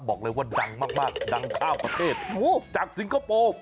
บอกเลยว่าดังมากดังคร้าวประเทศจากซิงเคอร์โปร